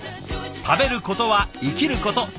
食べることは生きること。